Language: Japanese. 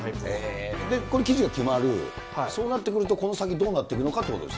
生地が決まる、そうなってくると、この先どうなってくるかということです。